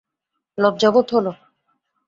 লজ্জা বোধ হল।